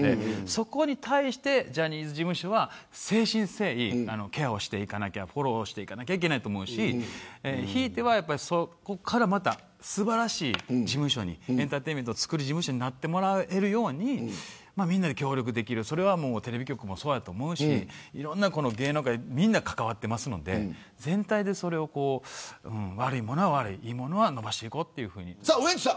そこに対してジャニーズ事務所は誠心誠意フォローをしていかなければいけないと思うし、ひいては、ここからまた素晴らしい事務所にエンターテインメントを作る事務所になってもらえるようにみんなで協力できるそれはテレビ局もそうだと思うし芸能界みんな関わってますから全体で悪いものは悪いいいものは伸ばしていこうというふうに。